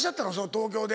東京で。